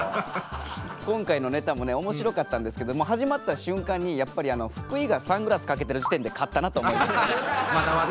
今回のネタもね面白かったんですけどもう始まった瞬間にやっぱりあの福井がサングラス掛けてる時点で勝ったなと思いました。